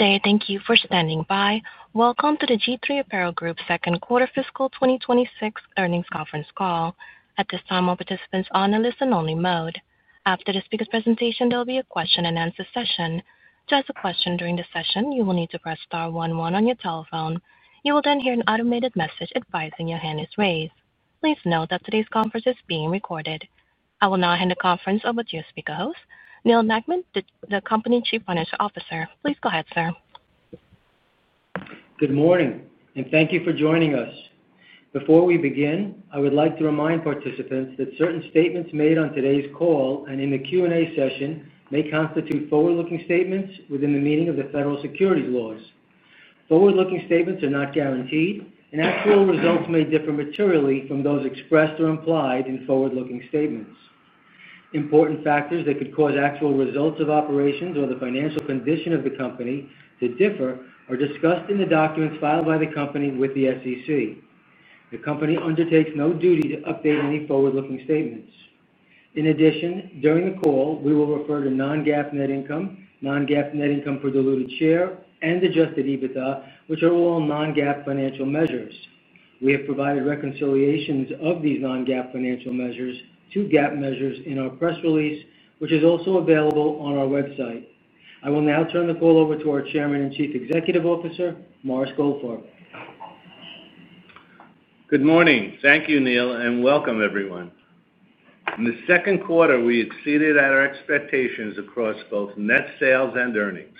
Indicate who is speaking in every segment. Speaker 1: Good day. Thank you for standing by. Welcome to the G III Apparel Group Second Quarter Fiscal twenty twenty six Earnings Conference Call. At this time, all participants are in a listen only mode. After the speakers' presentation, there will be a question and answer Please note that today's conference is being recorded. I will now hand the conference over to your speaker host, Neil Nachman, the company's Chief Financial Officer. Please go ahead, sir.
Speaker 2: Good morning and thank you for joining us. Before we begin, I would like to remind participants that certain statements made on today's call and in the Q and A session may constitute forward looking statements within the meaning of the federal securities laws. Forward looking statements are not guaranteed and actual results may differ materially from those expressed or implied in forward looking statements. Important factors that could cause actual results of operations or the financial condition of the company to differ are discussed in the documents filed by the company with the SEC. The company undertakes no duty to update any forward looking statements. In addition, during the call, we will refer to non GAAP net income, non GAAP net income per diluted share and adjusted EBITDA, which are all non GAAP financial measures. We have provided reconciliations of these non GAAP financial measures to GAAP measures in our press release, which is also available on our website. I will now turn the call over to our Chairman and Chief Executive Officer, Morris Goldfarb.
Speaker 3: Good morning. Thank you, Neil, and welcome, everyone. In the second quarter, we exceeded our expectations across both net sales and earnings.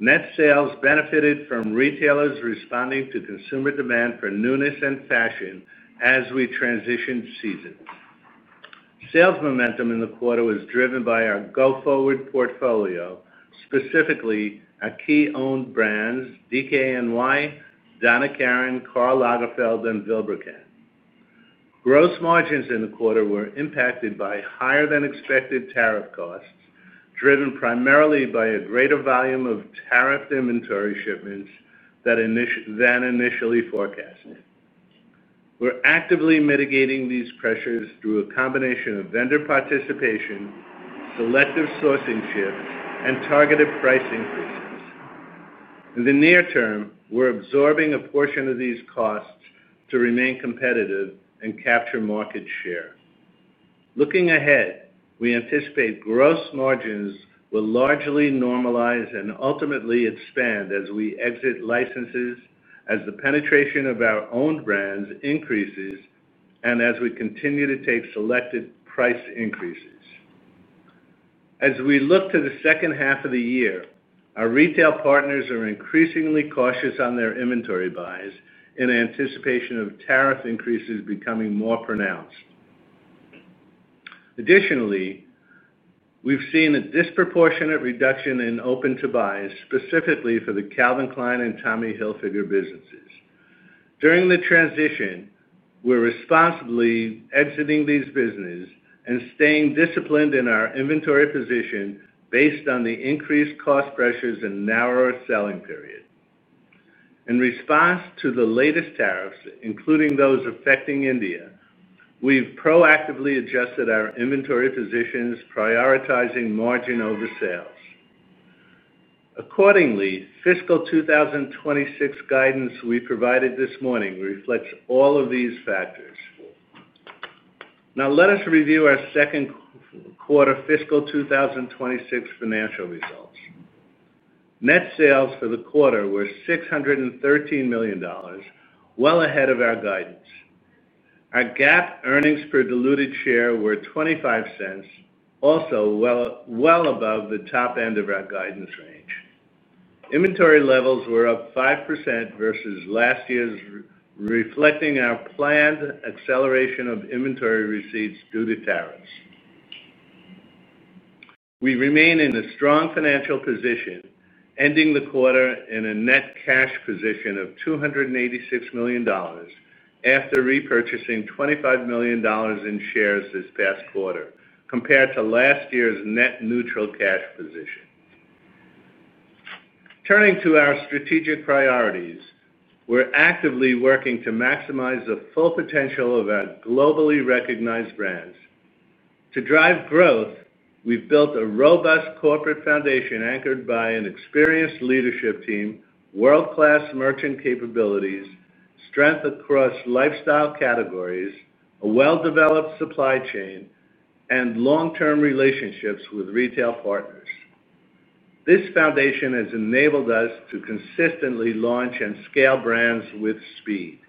Speaker 3: Net sales benefited from retailers responding to consumer demand for newness and fashion as we transition season. Sales momentum in the quarter was driven by our go forward portfolio, specifically our key owned brands DKNY, Donna Karan, Karl Lagerfeld and Vilbrikan. Gross margins in the quarter were impacted by higher than expected tariff costs, driven primarily by a greater volume of tariff inventory shipments than initially forecasted. We're actively mitigating these pressures through a combination of vendor participation, selective sourcing shifts and targeted pricing. In the near term, we're absorbing a portion of these costs to remain competitive and capture market share. Looking ahead, we anticipate gross margins will largely normalize and ultimately expand as we exit licenses as the penetration of our owned brands increases and as we continue to take selected price increases. As we look to the second half of the year, our retail partners are increasingly cautious on their inventory buys in anticipation of tariff increases becoming more pronounced. Additionally, we've seen a disproportionate reduction in open to buys, specifically for the Calvin Klein and Tommy Hilfiger businesses. During the transition, we're responsibly exiting these businesses and staying disciplined in our inventory position based on the increased cost pressures and narrower selling period. In response to the latest tariffs, including those affecting India, we've proactively adjusted our inventory positions prioritizing margin over sales. Accordingly, fiscal twenty twenty six guidance we provided this morning reflects all of these factors. Now let us review our second quarter fiscal twenty twenty six financial results. Net sales for the quarter were $613,000,000 well ahead of our guidance. Our GAAP earnings per diluted share were $0.25 also well above the top end of our guidance range. Inventory levels were up 5% versus last year's reflecting our planned acceleration of inventory receipts due to tariffs. We remain in a strong financial position ending the quarter in a net cash position of two eighty six million dollars after repurchasing $25,000,000 in shares this past quarter compared to last year's net neutral cash position. Turning to our strategic priorities, we're actively working to maximize the full potential of our globally recognized brands. To drive growth, we've built a robust corporate foundation anchored by an experienced leadership team, world class merchant capabilities, strength across lifestyle categories, a well developed supply chain and long term relationships with retail partners. This foundation has enabled us to consistently launch and scale brands with speed.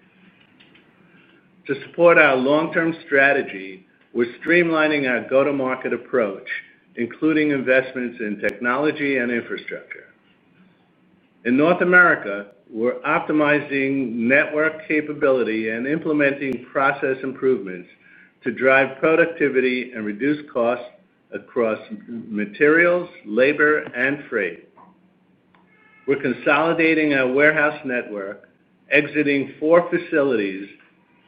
Speaker 3: To support our long term strategy, we're streamlining our go to market approach, including investments in technology and infrastructure. In North America, we're optimizing network capability and implementing process improvements to drive productivity and reduce costs across materials, labor and freight. We're consolidating our warehouse network, exiting four facilities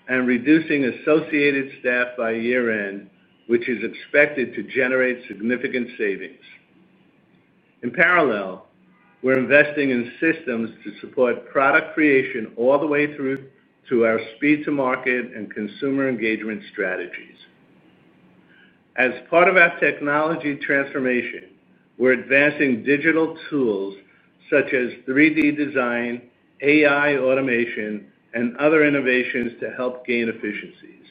Speaker 3: and reducing associated staff by year end, which is expected to generate significant savings. In parallel, we're investing in systems to support product creation all the way through to our speed to market and consumer engagement strategies. As part of our technology transformation, we're advancing digital tools such as three d design, AI automation and other innovations to help gain efficiencies.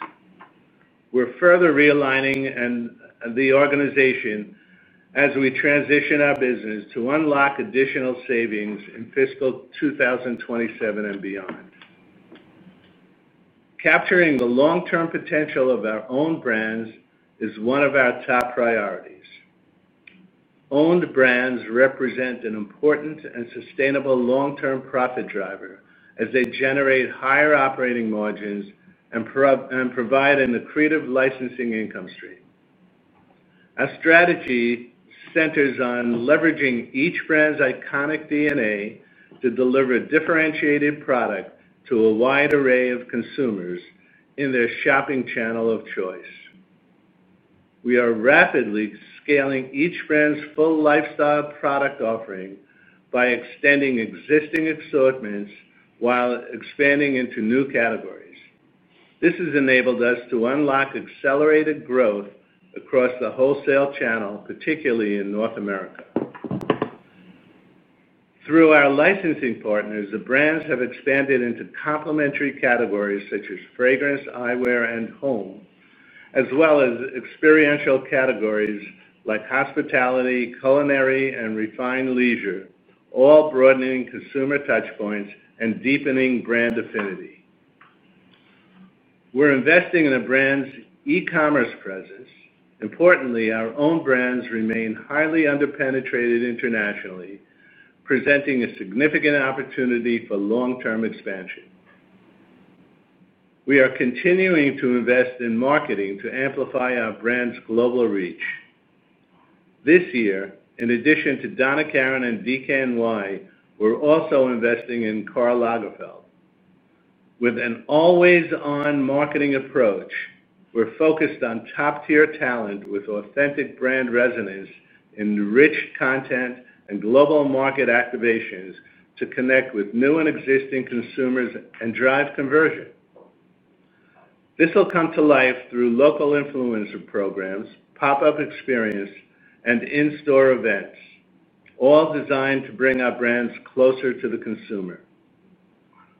Speaker 3: We're further realigning the organization as we transition our business to unlock additional savings in fiscal twenty twenty seven and beyond. Capturing the long term potential of our owned brands is one of our top priorities. Owned brands represent an important and sustainable long driver as they generate higher operating margins and provide an accretive licensing income stream. Our strategy centers on leveraging each brand's iconic DNA to deliver differentiated product to a wide array of consumers in their shopping channel of choice. We are rapidly scaling each brand's full lifestyle product offering by extending existing assortments while expanding into new categories. This has enabled us to unlock accelerated growth across the wholesale channel, particularly in North America. Through our licensing partners, the brands have expanded into complementary categories such as fragrance, eyewear and home, as well as experiential categories like hospitality, culinary and refined leisure, all broadening consumer touch points and deepening brand affinity. We're investing in the brand's e commerce presence. Importantly, our own brands remain highly underpenetrated internationally, presenting a significant opportunity for long term expansion. We are continuing to invest in marketing to amplify our brands global reach. This year, in addition to Donna Karan and DKNY, we're also investing in Karl Lagerfeld. With an always on marketing approach, we're focused on top tier talent with authentic brand resonance in rich content and global market activations to connect with new and existing consumers and drive conversion. This will come to life through local influencer programs, pop up experience and in store events, all designed to bring our brands closer to the consumer.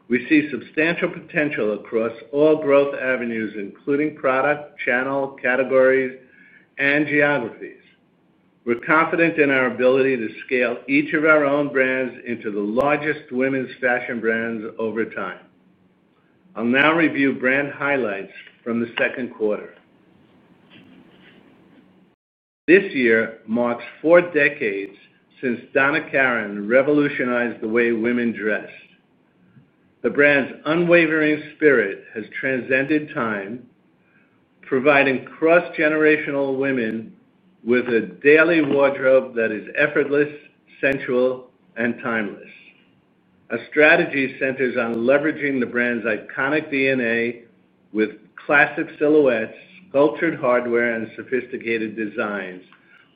Speaker 3: We see substantial potential across all growth avenues, including product, channel, categories and geographies. We're confident in our ability to scale each of our own brands into the largest women's fashion brands over time. I'll now review brand highlights from the second quarter. This year marks four decades since Donna Karan revolutionized the way women dressed. The brand's unwavering spirit has transcended time providing cross generational women with a daily wardrobe that is effortless, sensual and timeless. Our strategy centers on leveraging the brand's iconic DNA with classic silhouettes, cultured hardware and sophisticated designs,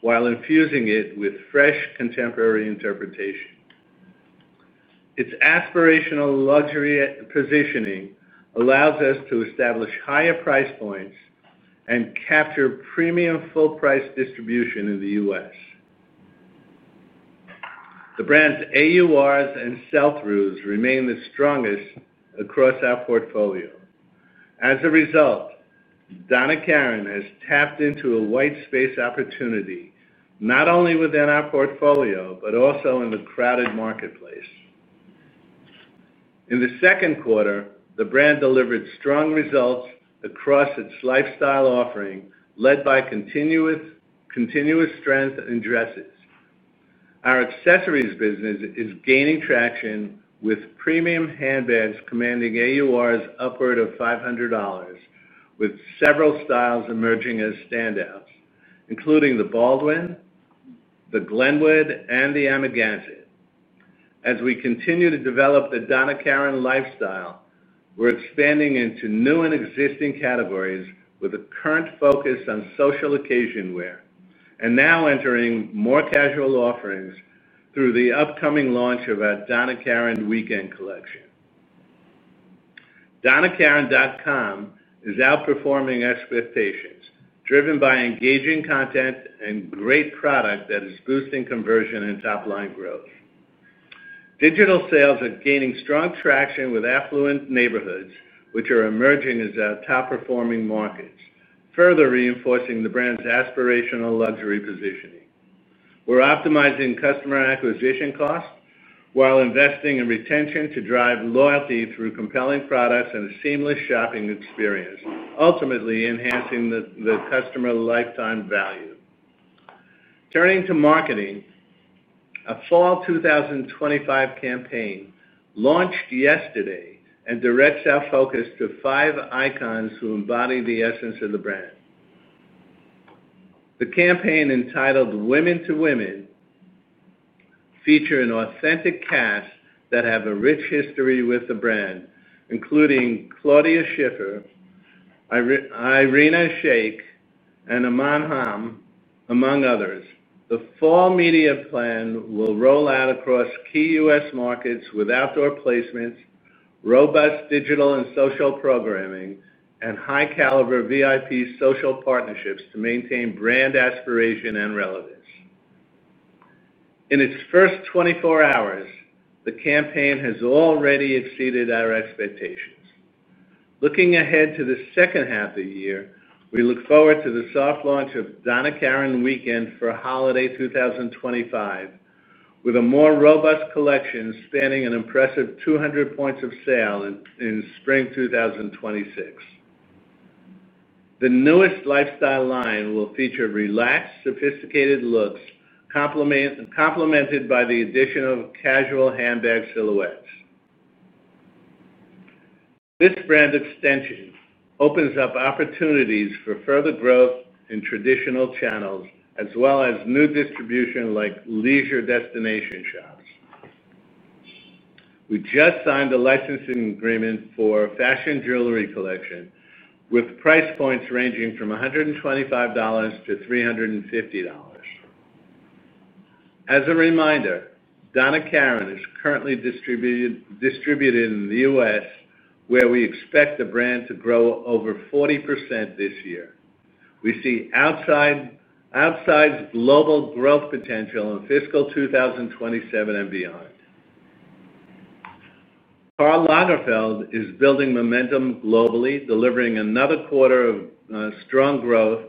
Speaker 3: while infusing it with fresh contemporary interpretation. Its aspirational luxury positioning allows us to establish higher price points and capture premium full price distribution in The U. S. The brand's AURs and sell throughs remain the strongest across our portfolio. As a result, Donna Karan has tapped into a white space opportunity, not only within our portfolio, but also in the crowded marketplace. In the second quarter, the brand delivered strong results across its lifestyle offering led by continuous strength in dresses. Our accessories business is gaining traction with premium handbags commanding AURs upward of $500 with several styles emerging as standouts, including the Baldwin, the Glenwood and the Amigansett. As we continue to develop the Donna Karan lifestyle, we're expanding into new and existing categories with a current focus on social occasion wear and now entering more casual offerings through the upcoming launch of our Donna Karan weekend collection. Donnakaran.com is outperforming expectations driven by engaging content and great product that is boosting conversion and top line growth. Digital sales are gaining strong traction with affluent neighborhoods, which are emerging as our top performing markets, further reinforcing the brand's aspirational luxury positioning. We're optimizing customer acquisition costs, while investing in retention to drive loyalty through compelling products and a seamless shopping experience, ultimately enhancing the customer lifetime value. Turning to marketing, our fall twenty twenty five campaign launched yesterday and directs our focus to five icons who embody the essence of the brand. The campaign entitled Women to Women feature an authentic cast that have a rich history with the brand including Claudia Schiffer, Irina Shayk and Aman Ham among others. The fall media plan will roll out across key U. S. Markets with outdoor placements, robust digital and social programming and high caliber VIP social partnerships to maintain brand aspiration and relevance. In its first twenty four hours, the campaign has already exceeded our expectations. Looking ahead to the second half of the year, we look forward to the soft launch of Donna Karan Weekend for holiday twenty twenty five with a more robust collection spanning an impressive 200 points of sale in spring twenty twenty six. The newest lifestyle line will feature relaxed, sophisticated looks complemented by the addition of casual handbag silhouettes. This brand extension opens up opportunities for further growth in traditional channels as well as new distribution like leisure destination shops. We just signed a licensing agreement for fashion jewelry collection with price points ranging from $125 to $350 As a reminder, Donna Karan is currently distributed in The U. S. Where we expect the brand to grow over 40% this year. We see outsized global growth potential in fiscal twenty twenty seven and beyond. Karl Lagerfeld is building momentum globally delivering another quarter of strong growth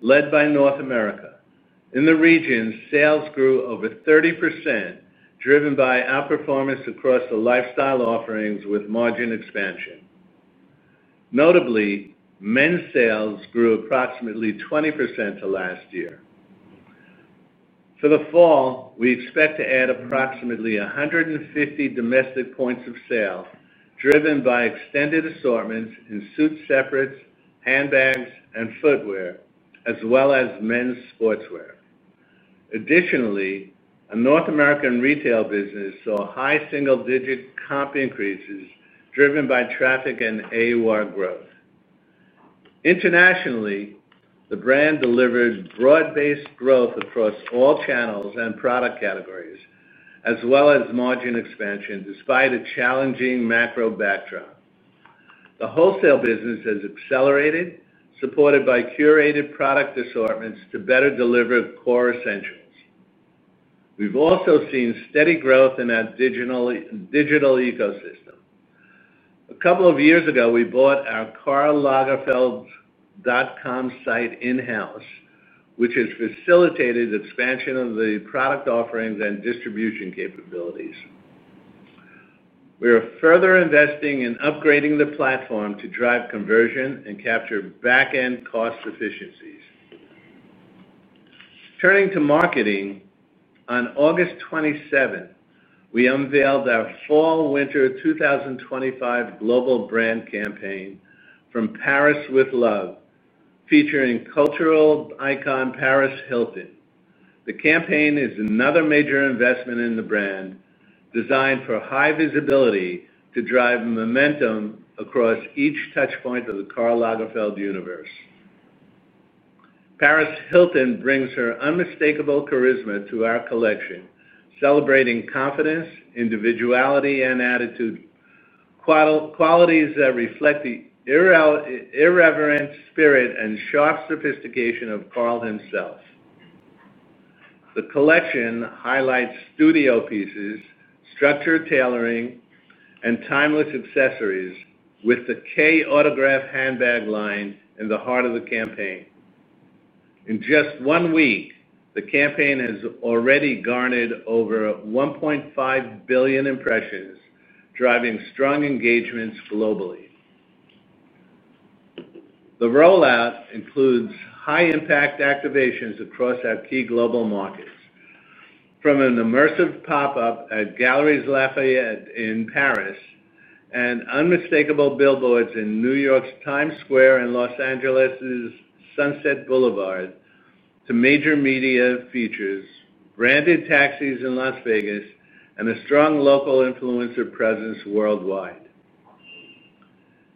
Speaker 3: led by North America. In the region, sales grew over 30% driven by outperformance across the lifestyle offerings with margin expansion. Notably, men's sales grew approximately 20% to last year. For the fall, we expect to add approximately 150 domestic points of sale driven by extended assortments in suit separates, handbags and footwear as well as men's sportswear. Additionally, our North American retail business saw high single digit comp increases driven by traffic and AUR growth. Internationally, the brand delivered broad based growth across all channels and product categories as well as margin expansion despite a challenging macro backdrop. The wholesale business has accelerated supported by curated product assortments to better deliver core essentials. We've also seen steady growth in our digital ecosystem. A couple of years ago, we bought our karllagerfeld.com site in house, which has facilitated expansion of the product offerings and distribution capabilities. We are further investing in upgrading the platform to drive conversion and capture back end cost efficiencies. Turning to marketing, on August 27, we unveiled our fallwinter twenty twenty five global brand campaign from Paris With Love featuring cultural icon Paris Hilton. The campaign is another major investment in the brand designed for high visibility to drive momentum across each touch point of the Karl Lagerfeld universe. Paris Hilton brings her unmistakable charisma to our collection, celebrating confidence, individuality and attitude, qualities that reflect the irreverent spirit and sharp sophistication of Karl himself. The collection highlights studio pieces, structured tailoring and timeless accessories with the K Autograph handbag line in the heart of the campaign. In just one week, the campaign has already garnered over 1,500,000,000 impressions, driving strong engagements globally. The rollout includes high impact activations across markets. From an immersive pop up at Galleries Lafayette in Paris and unmistakable billboards in New York's Times Square and Los Angeles' Sunset Boulevard to major media features, branded taxis in Las Vegas and a strong local influencer presence worldwide.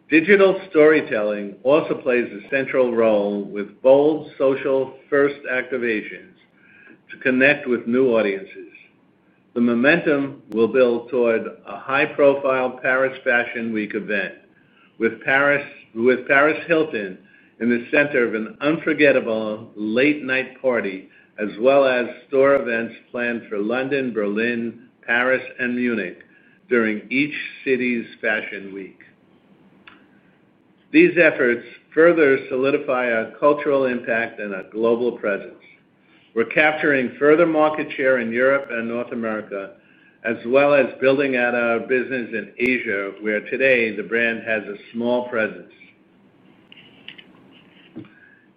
Speaker 3: Digital storytelling also plays a central role with bold social first activations to connect with new audiences. The momentum will build toward a high profile Paris Fashion Week event with Paris Hilton in the center of an unforgettable late night party as well as store events planned for London, Berlin, Paris and Munich during each city's Fashion Week. These efforts further solidify our cultural impact and our global presence. We're capturing further market share in Europe and North America as well as building out our business in Asia where today the brand has a small presence.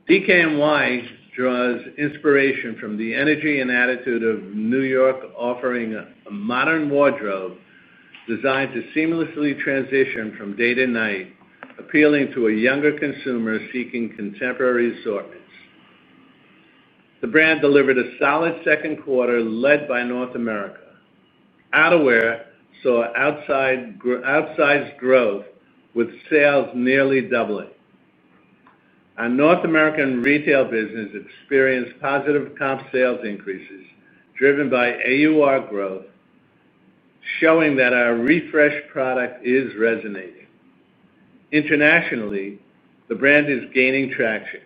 Speaker 3: DKNY draws inspiration from the energy and attitude of New York offering a modern wardrobe designed to seamlessly transition from day to night appealing to a younger consumer seeking contemporary assortments. The brand delivered a solid second quarter led by North America. Outerwear saw outsized growth with sales nearly doubling. Our North American retail business experienced positive comp sales increases driven by AUR growth showing that our refreshed product is resonating. Internationally, the brand is gaining traction.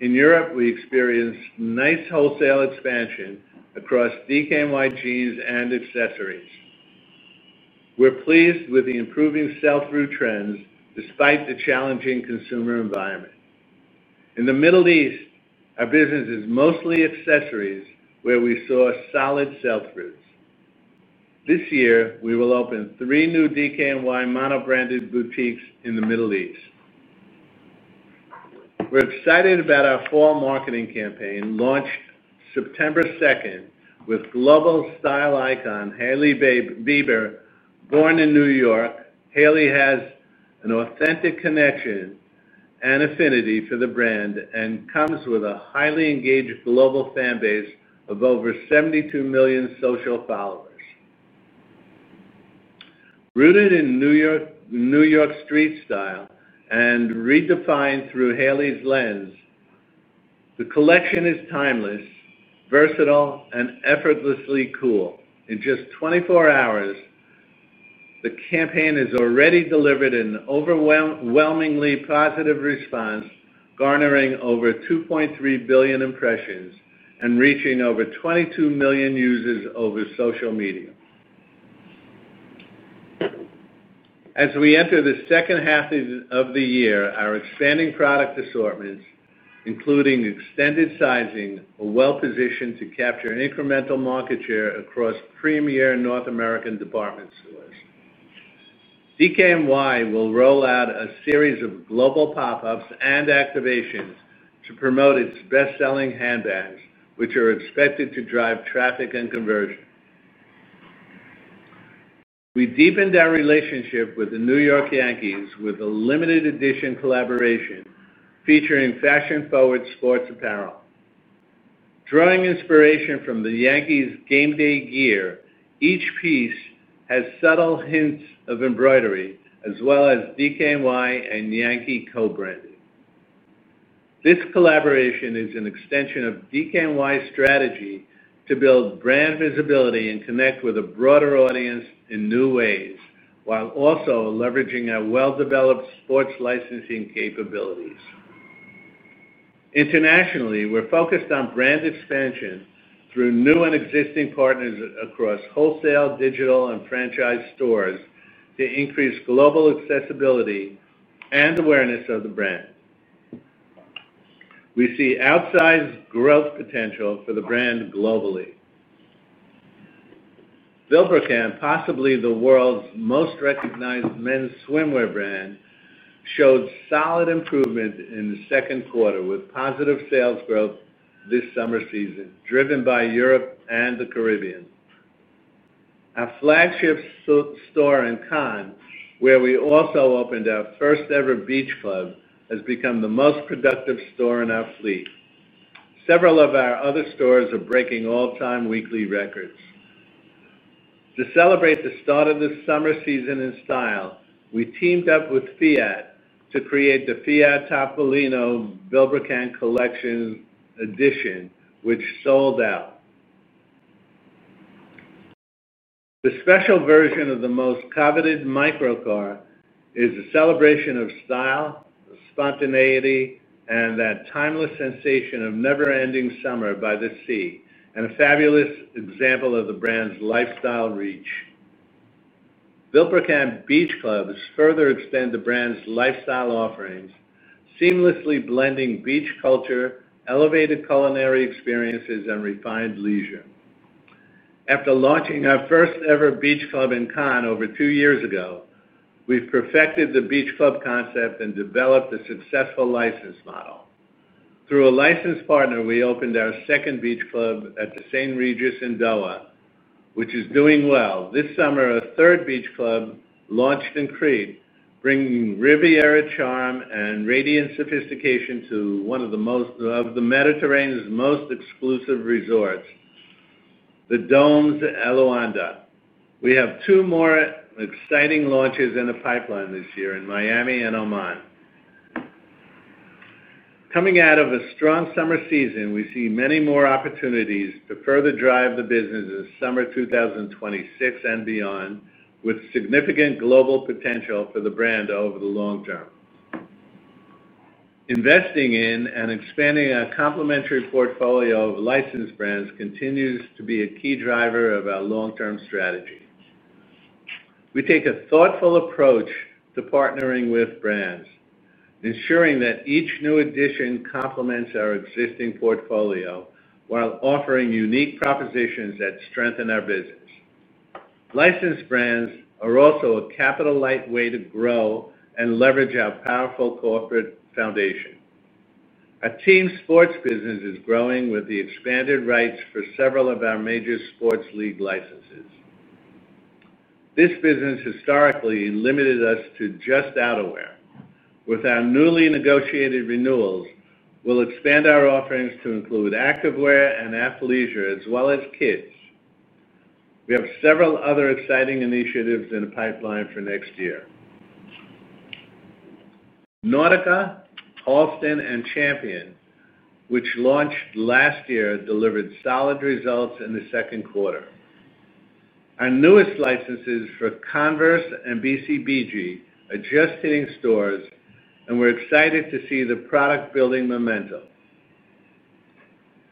Speaker 3: In Europe, we experienced nice wholesale expansion across DKNYGs and accessories. We're pleased with the improving sell through trends despite the challenging consumer environment. In The Middle East, our business is mostly accessories where we saw solid sell throughs. This year we will open three new DKNY mono branded boutiques in The Middle East. We're excited about our fall marketing campaign launched September 2 with global style icon Hailey Bieber born in New York. Hailey has an authentic connection and affinity for the brand and comes with a highly engaged global fan base of over 72,000,000 social followers. Rooted in New York street style and redefined through Hailey's lens, the collection is timeless, versatile and effortlessly cool. In just twenty four hours, the campaign has already delivered an overwhelmingly positive response garnering over 2,300,000,000 impressions and reaching over 22,000,000 users over social media. As we enter the second half of the year, our expanding product assortments including extended sizing are well positioned to capture an incremental market share across premier North American department stores. DKNY will roll out a series of global pop ups and activations to promote its best selling handbags, which are expected to drive traffic and conversion. We deepened our relationship with the New York Yankees with a limited edition collaboration featuring fashion forward sports apparel. Drawing inspiration from the Yankees game day gear, each piece has subtle hints of embroidery as well as DKNY and Yankee co branding. This collaboration is an extension of DKNY's strategy to build brand visibility and connect with a broader audience in new ways, while also leveraging our well developed sports licensing capabilities. Internationally, we're focused on brand expansion through new and existing partners across wholesale, digital and franchise stores to increase global accessibility and awareness of the brand. We see outsized growth potential for the brand globally. Vilbrikam possibly the world's most recognized men's swimwear brand showed solid improvement in the second quarter with positive sales growth this summer season driven by Europe and The Caribbean. Our flagship store in Cannes where we also opened our first ever beach club has become the most productive store in our fleet. Several of our other stores are breaking all time weekly records. To celebrate the start of the summer season in style, we teamed up with Fiat to create the Fiat Tapolino Velvet Can collection edition, which sold out. The special version of the most coveted microcar is a celebration of style, spontaneity and that timeless sensation of never ending summer by the sea and a fabulous example of the brand's lifestyle reach. Vilbrikam beach clubs further extend the brand's lifestyle offerings seamlessly blending beach culture, elevated culinary experiences and refined leisure. After launching our first ever beach club in Cannes over two years ago, we've perfected the beach club concept and developed a successful license model. Through a license partner, we opened our second beach club at the St. Regis in Doha, which is doing well. This summer, a third beach club launched in Crete, bringing Riviera charm and radiant sophistication to one of the most of the Mediterranean's most exclusive resorts, The Domes at Alawanda. We have two more exciting launches in the pipeline this year in Miami and Oman. Coming out of a strong summer season, we see many more opportunities to further drive the business in summer twenty twenty six and beyond with significant global potential for the brand over the long term. Investing in and expanding our complementary portfolio of licensed brands continues to be a key driver of our long term strategy. We take a thoughtful approach to partnering with brands, ensuring that each new addition complements our existing portfolio while offering unique propositions that strengthen our business. Licensed brands are also a capital light way to grow and leverage our powerful corporate foundation. Our team sports business is growing with the expanded rights for several of our major sports league licenses. This business historically limited us to just outerwear. With our newly negotiated renewals, we'll expand our offerings to include Activewear and athleisure as well as kids. We have several other exciting initiatives in the pipeline for next year. Nautica, Halston and Champion, which launched last year delivered solid results in the second quarter. Our newest licenses for Converse and BCBG adjust hitting stores and we're excited to see the product building momentum.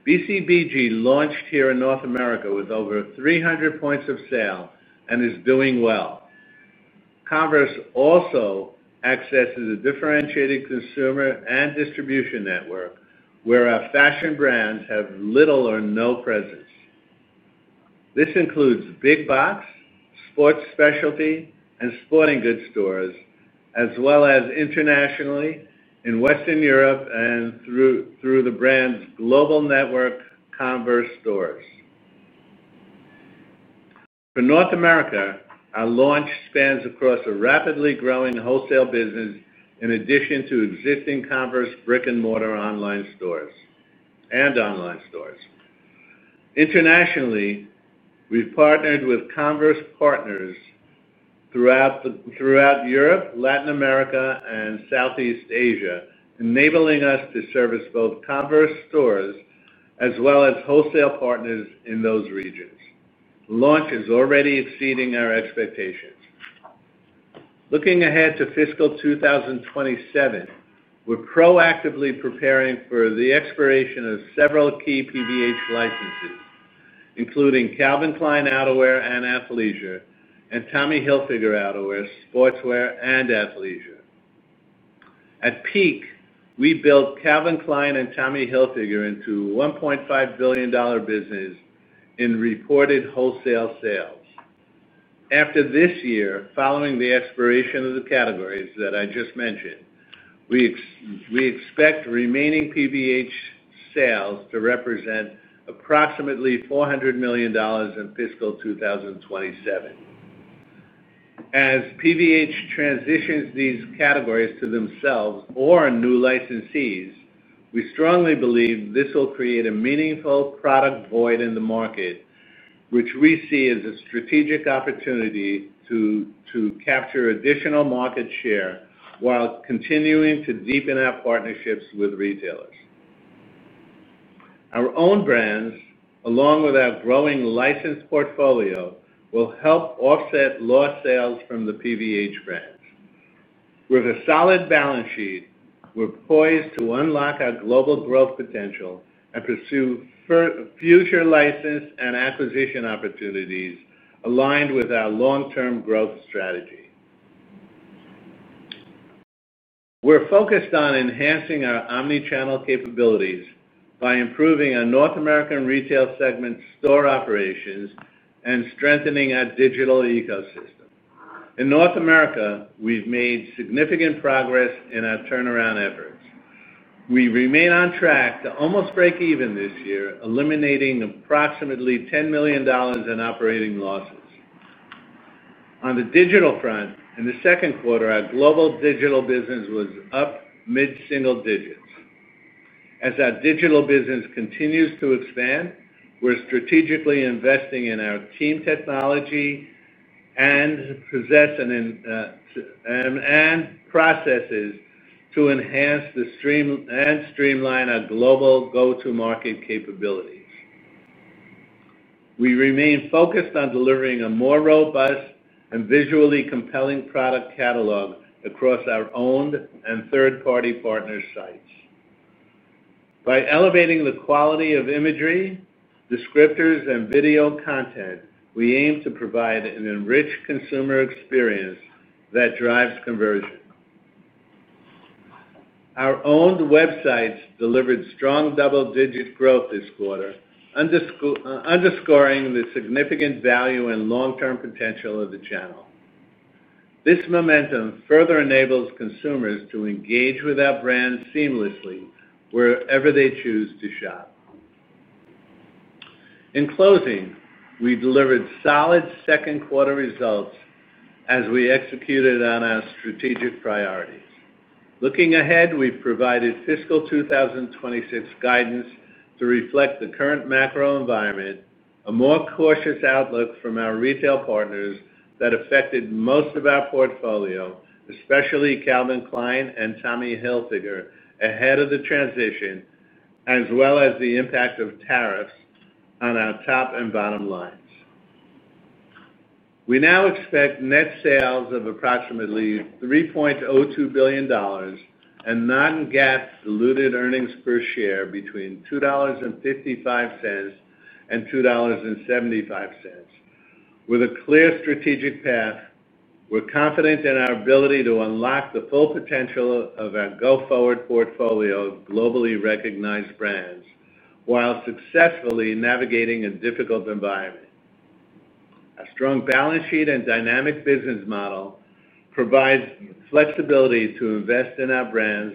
Speaker 3: BCBG launched here in North America with over 300 points of sale and is doing well. Commerce also accesses a differentiated consumer and distribution network where our fashion brands have little or no presence. This includes big box, sports specialty and sporting goods stores as well as internationally in Western Europe and through the brand's global network Converse stores. For North America, our launch spans across a rapidly growing wholesale business in addition to existing Converse brick and mortar online stores and online stores. Internationally, we've partnered with Converse partners throughout Europe, Latin America and Southeast Asia, enabling us to service both Converse stores as well as wholesale partners in those regions. Launch is already exceeding our expectations. Looking ahead to fiscal twenty twenty seven, we're proactively preparing for the expiration of several key PDH licenses, including Calvin Klein outerwear and athleisure and Tommy Hilfiger outerwear sportswear and athleisure. At peak, we built Calvin Klein and Tommy Hilfiger into $1,500,000,000 business in reported wholesale sales. After this year, following the expiration of the categories that I just mentioned, we expect remaining PVH sales to represent approximately $400,000,000 in fiscal twenty twenty seven. As PVH transitions these categories to themselves or new licensees, we strongly believe this will create a meaningful product void in the market, which we see as a strategic opportunity to capture additional market share while continuing to deepen our partnerships with retailers. Our own brands along with our growing license portfolio will help offset lost sales from the PVH brands. With a solid balance sheet, we're poised to unlock our global growth potential and pursue future license and acquisition opportunities aligned with our long term growth strategy. We're focused on enhancing our omnichannel capabilities by improving our North American retail segment store operations and strengthening In North America, we've made significant progress in our turnaround efforts. We remain on track to almost breakeven this year, eliminating approximately $10,000,000 in operating losses. On the digital front, in the second quarter, our global digital business was up mid single digits. As our digital business continues to expand, we're strategically investing in our TEAM technology and possess and processes to enhance the stream and streamline our global go to market capabilities. We remain focused on delivering a more robust and visually compelling product catalog across our owned and third party partners' sites. By elevating the quality of imagery, descriptors and video content, we aim to provide an enriched consumer experience that drives conversion. Our owned websites delivered strong double digit growth this quarter, underscoring the significant value and long term potential of the channel. This momentum further enables consumers to engage with our brand seamlessly wherever they choose to shop. In closing, we delivered solid second quarter results as we executed on our strategic priorities. Looking ahead, we've provided fiscal twenty twenty six guidance to reflect the current macro environment, a more cautious outlook from our retail partners that affected most of our portfolio, especially Calvin Klein and Tommy Hilfiger ahead of the transition as well as the impact of tariffs on our top and bottom lines. We now expect net sales of approximately $3,020,000,000 and non GAAP diluted earnings per share between $2.55 and $2.75 With a clear strategic path, we're confident in our ability to unlock the full potential of our go forward portfolio of globally recognized brands, while successfully navigating a difficult environment. A strong balance sheet and dynamic business model provides flexibility to invest in our brands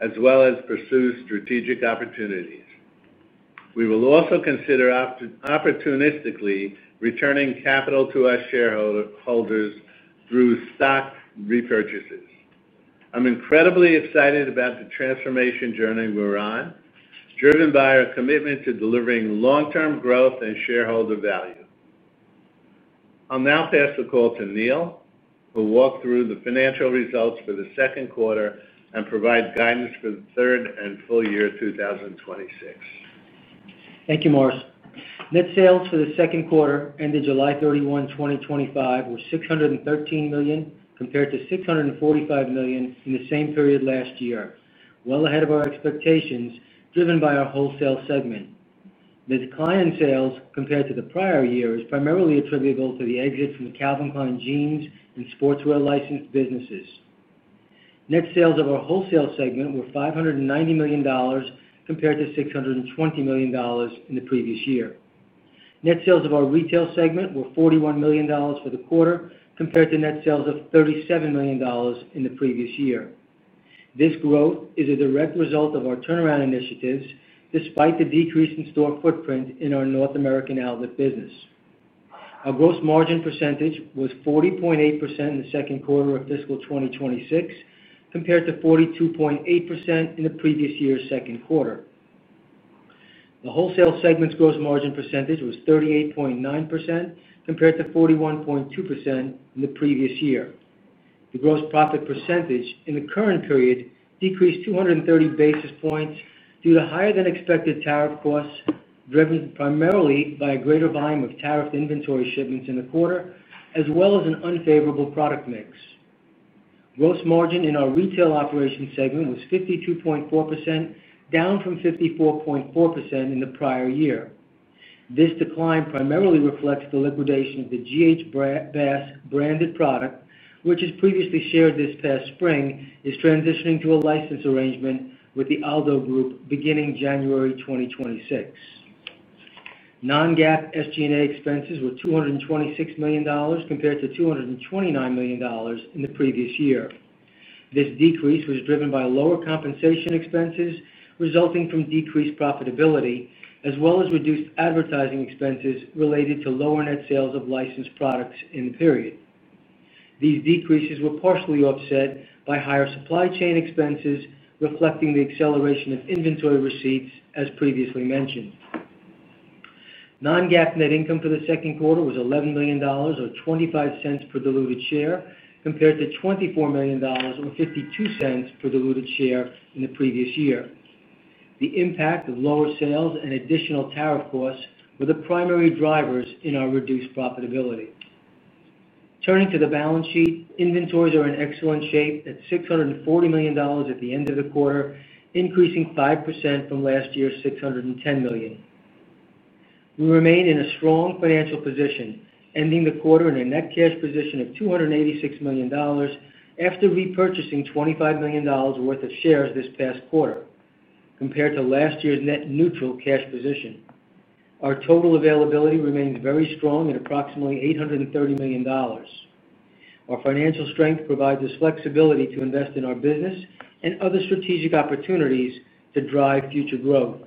Speaker 3: as well as pursue strategic opportunities. We will also consider opportunistically returning capital to our shareholders through stock repurchases. I'm incredibly excited about the transformation journey we're on, driven by our commitment to delivering long term growth and shareholder value. I'll now pass the call to Neil, who'll walk through the financial results for the second quarter and provide guidance for the third and full year 2026.
Speaker 2: Thank you, Morris. Net sales for the second quarter ended 07/31/2025 were $613,000,000 compared to $645,000,000 in the same period last year, well ahead of our expectations driven by our wholesale segment. The decline in sales compared to the prior year is primarily attributable to the exit from Calvin Klein jeans and sportswear license businesses. Net sales of our wholesale segment were $590,000,000 compared to $620,000,000 in the previous year. Net sales of our retail segment were $41,000,000 for the quarter compared to net sales of $37,000,000 in the previous year. This growth is a direct result of our turnaround initiatives despite the decrease in store footprint in our North American outlet business. Our gross margin percentage was 40.8% in the 2026 compared to 42.8% in the previous year's second quarter. The wholesale segment's gross margin percentage was 38.9% compared to 41.2% in the previous year. The gross profit percentage in the current period decreased two thirty basis points due to higher than expected tariff costs driven primarily by a greater volume of tariff inventory shipments in the quarter as well as an unfavorable product mix. Gross margin in our Retail Operations segment was 52.4%, down from 54.4 in the prior year. This decline primarily reflects the liquidation of the G. H. Bass branded product, which is previously shared this past spring is transitioning to a license arrangement with the Aldo Group beginning January 2026. Non GAAP SG and A expenses were two twenty six million dollars compared to $229,000,000 in the previous year. This decrease was driven by lower compensation expenses resulting from decreased profitability as well as reduced advertising expenses related to lower net sales of licensed products in the period. These decreases were partially offset by higher supply chain expenses reflecting the acceleration of inventory receipts as previously mentioned. Non GAAP net income for the second quarter was $11,000,000 or $0.25 per diluted share compared to $24,000,000 or $0.52 per diluted share in the previous year. The impact of lower sales and additional tariff costs were the primary drivers in our reduced profitability. Turning to the balance sheet, inventories are in excellent shape at $640,000,000 at the end of the quarter, increasing 5% from last year's $610,000,000 We remain in a strong financial position, ending the quarter in a net cash position of $286,000,000 after repurchasing $25,000,000 worth of shares this past quarter compared to last year's net neutral cash position. Our total availability remains very strong at approximately eight thirty million dollars Our financial strength provides us flexibility to invest in our business and other strategic opportunities to drive future growth.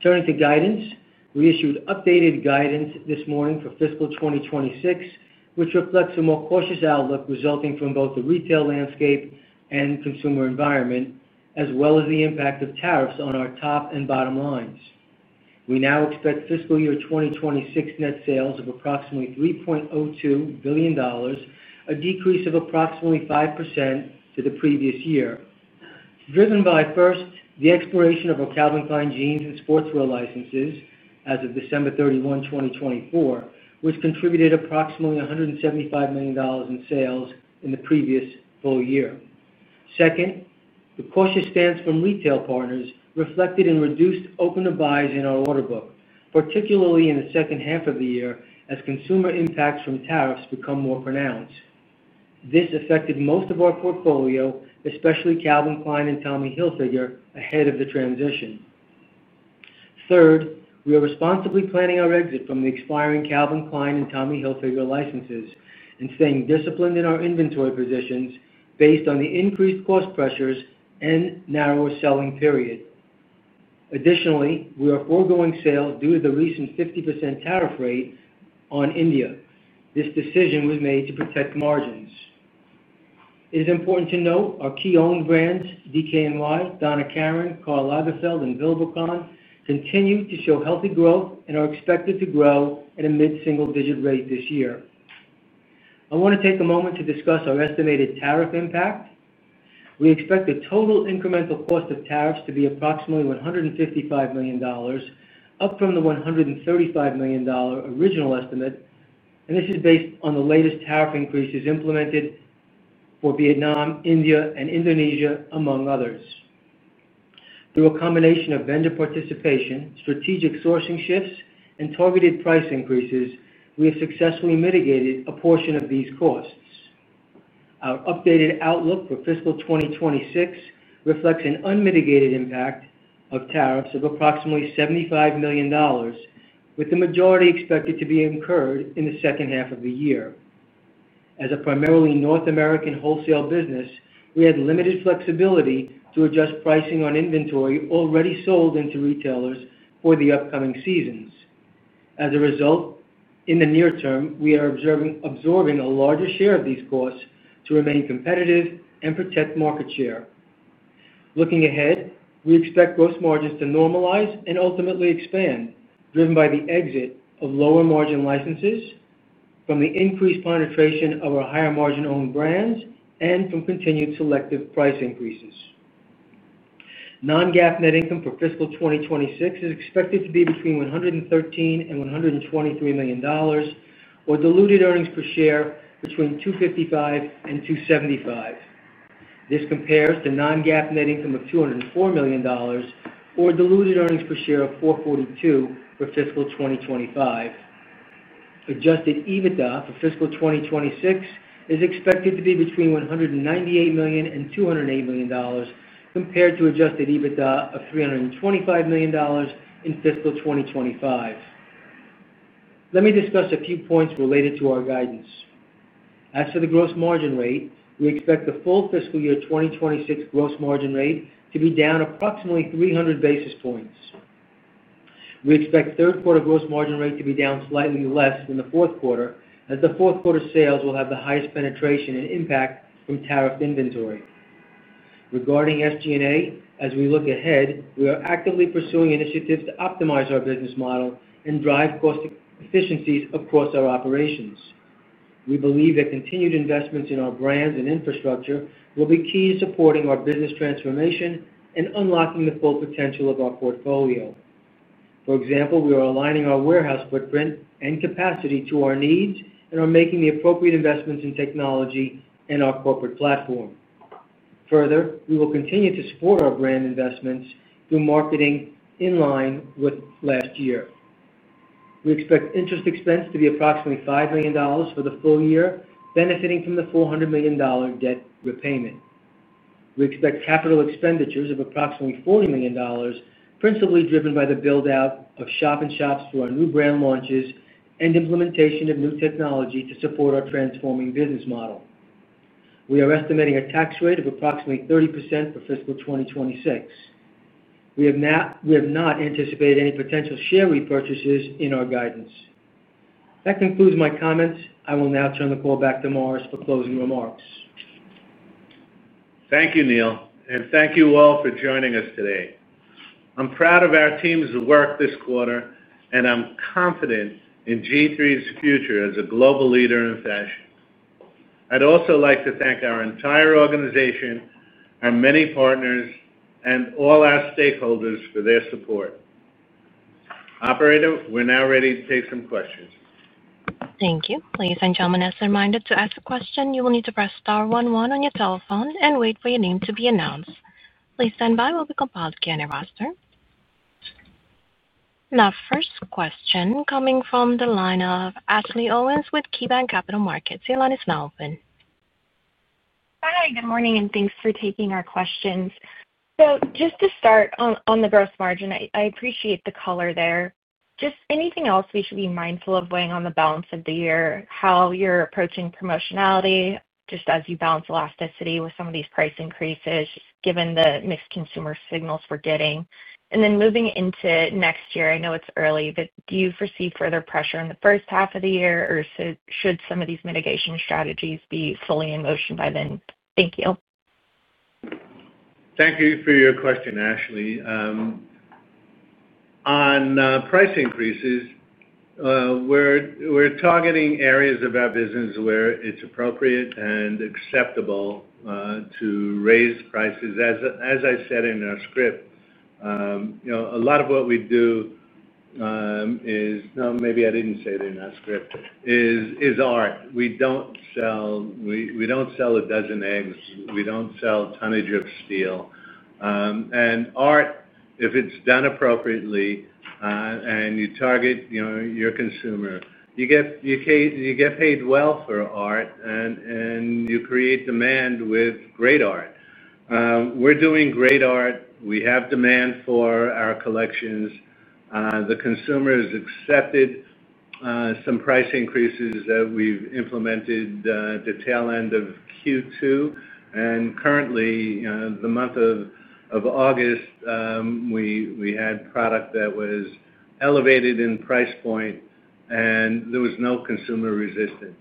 Speaker 2: Turning to guidance, we issued updated guidance this morning for fiscal twenty twenty six, which reflects a more cautious outlook resulting from both the retail landscape and consumer environment as well as the impact of tariffs on our top and bottom lines. We now expect fiscal year twenty twenty six net sales of approximately $3,020,000,000 a decrease of approximately 5% to the previous year, driven by first, the expiration of our Calvin Klein jeans and sportswear licenses as of 12/31/2024, which contributed approximately $175,000,000 in sales in the previous full year. Second, the cautious stance from retail partners reflected in reduced opener buys in our order book, particularly in the second half of the year as consumer impacts from tariffs become more pronounced. This affected most of our portfolio, especially Calvin Klein and Tommy Hilfiger ahead of the transition. Third, we are responsibly planning our exit from the expiring Calvin Klein and Tommy Hilfiger licenses and staying disciplined in our inventory positions based on the increased cost pressures and narrower selling period. Additionally, we are foregoing sales due to the recent 50% tariff rate on India. This decision was made to protect margins. It is important to note our key owned brands, DKNY, Donna Karan, Karl Lagerfeld and Vilboccon continue to show healthy growth and are expected to grow in in a mid single digit rate this year. I want to take a moment to discuss our estimated tariff impact. We expect the total incremental cost of tariffs to be approximately $155,000,000 up from the $135,000,000 original estimate and this is based on the latest tariff increases implemented for Vietnam, India and Indonesia among others. Through a combination of vendor participation, strategic sourcing shifts and targeted price increases, we have successfully mitigated a portion of these costs. Our updated outlook for fiscal twenty twenty six reflects an unmitigated impact of tariffs of approximately $75,000,000 with the majority expected to be incurred in the second half of the year. As a primarily North American wholesale business, we had limited flexibility to adjust pricing on inventory already sold into retailers for the upcoming seasons. As a result, in the near term, we are absorbing a larger share of these costs to remain competitive and protect market share. Looking ahead, we expect gross margins to normalize and ultimately expand, driven by the exit of lower margin licenses, from the increased penetration of our higher margin owned brands and from continued selective price increases. Non GAAP net income for fiscal twenty twenty six is expected to be between $113,000,000 and $123,000,000 or diluted earnings per share between 2.55 and 2.75 This compares to non GAAP net income of $2.00 $4,000,000 or diluted earnings per share of $4.42 for fiscal twenty twenty five. Adjusted EBITDA for fiscal twenty twenty six is expected to be between 198,000,000 and $2.00 $8,000,000 compared to adjusted EBITDA of $325,000,000 in fiscal twenty twenty five. Let me discuss a few points related to our guidance. As for the gross margin rate, we expect the full fiscal year 2026 gross margin rate to be down approximately 300 basis points. We expect third quarter gross margin rate to be down slightly less than the fourth quarter as the fourth quarter sales will have the highest penetration and impact from tariff inventory. Regarding SG and A, as we look ahead, we are actively pursuing initiatives to optimize our business model and drive cost efficiencies across our operations. We believe that continued investments in our brands and infrastructure will be key to supporting our business transformation and unlocking the full potential of our portfolio. For example, we are aligning our warehouse footprint and capacity to our needs and are making the appropriate investments in technology and our corporate platform. Further, we will continue to support our brand investments through marketing in line with last year. We expect interest expense to be approximately $5,000,000 for the full year, benefiting from the $400,000,000 debt repayment. We expect capital expenditures of approximately $40,000,000 principally driven by the build out of shop in shops through our new brand launches and implementation of new technology to support our transforming business model. We are estimating a tax rate of approximately 30% for fiscal twenty twenty six. We have not anticipated any potential share repurchases in our guidance. That concludes my comments. I will now turn the call back to Morris for closing remarks.
Speaker 3: Thank you, Neil, and thank you all for joining us today. I'm proud of our team's work this quarter and I'm confident in G III's future as a global leader in fashion. I'd also like to thank our entire organization, our many partners and all our stakeholders for their support. Operator, we're now ready to take some questions.
Speaker 1: Thank you. First question coming from the line of Ashley Owens with KeyBanc Capital Markets. Your line is now open.
Speaker 4: Hi, good morning and thanks for taking our questions. So just to start on the gross margin, appreciate the color there. Just anything else we should be mindful of weighing on the balance of the year, how you're approaching promotionality just as you balance elasticity with some of these price increases given the mixed consumer signals we're getting? And then moving into next year, I know it's early, but do you foresee further pressure in the first half of the year? Or should some of these mitigation strategies be fully in motion by then? Thank you.
Speaker 3: Thank you for your question, Ashley. On price increases, we're targeting areas of our business where it's appropriate and acceptable to raise prices. As I said in our script, a lot of what we do is maybe I didn't say it in our script is art. We don't sell a dozen eggs. We don't sell tonnage of steel. And art, if it's done appropriately and you target your consumer, you get paid well for art and you create demand with great art. We're doing great art. We have demand for our collections. The consumers accepted some price increases that we've implemented at the tail end of Q2. And currently, the month of August, we had product that was elevated in price point and there was no consumer resistance.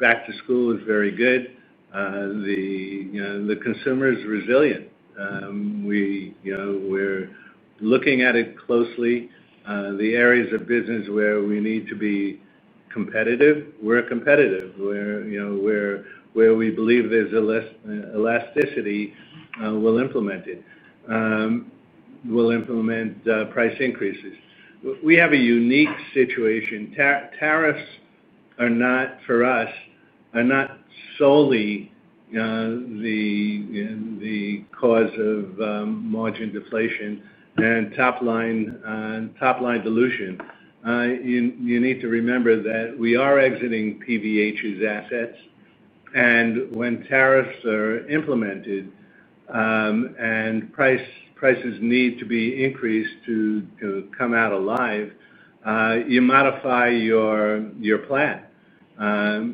Speaker 3: Back to school is very good. The consumer is resilient. We're looking at it closely. The areas of business where we need to be competitive, we're competitive. Where we believe there's elasticity, we'll implement it. We'll implement price increases. We have a unique situation. Tariffs are not for us, are not solely the cause of margin deflation and top line dilution. You need to remember that we are exiting PVH's assets and when tariffs are implemented and prices need to be increased to come out alive, you modify your plan.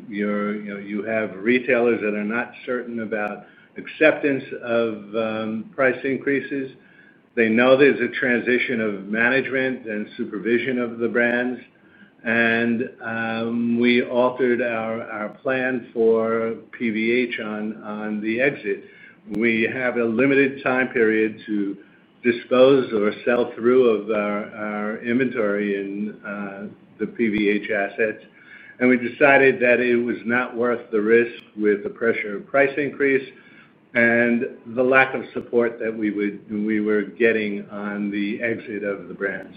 Speaker 3: You have retailers that are not certain about acceptance of price increases. They know there's a transition of management and supervision of the brands. And we altered our plan for PVH on the exit. We have a limited time period to dispose or sell through of our inventory in the PVH assets. And we decided that it was not worth the risk with the pressure of price increase and the lack of support that we were getting on the exit of the brands.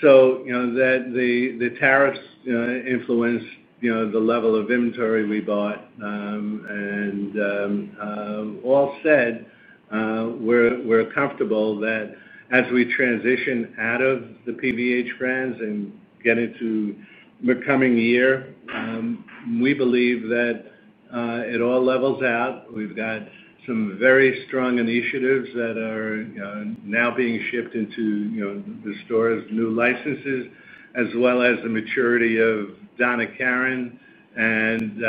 Speaker 3: So the tariffs influence the level of inventory we bought and all said, we're comfortable that as we transition out of the PVH brands and get into the coming year, we believe that it all levels out. We've got some very strong initiatives that are now being shipped into the stores, new licenses as well as the maturity of Donna Karan and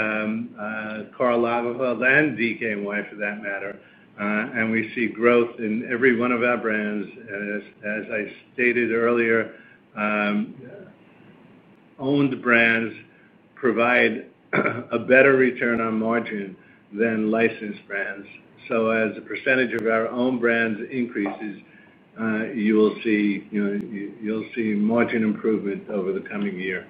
Speaker 3: Karl Lagerfeld and DKNY for that matter. And we see growth in every one of our brands. As I stated earlier, owned brands provide a better return on margin than licensed brands. So as a percentage of our own brands increases, you'll see margin improvement over the coming year.